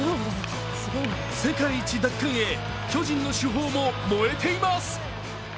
世界一奪還へ巨人の主砲も燃えています。